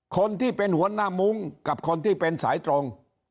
คนที่เป็นหัวหน้ามุ้งกับคนที่เป็นสายตรง